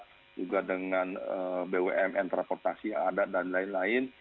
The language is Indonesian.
dan ini juga dengan bumn transportasi yang ada dan lain lain